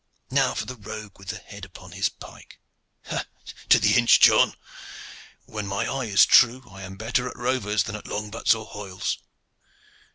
Now for the rogue with the head upon his pike. Ha! to the inch, John. When my eye is true, I am better at rovers than at long butts or hoyles.